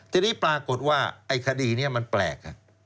ดีหนี้ปรากฏว่าไอ้คดีเนี่ยเนี่ยมันแปลก